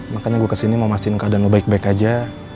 makanya gue kesini mau mastiin keadaan lo baik baik aja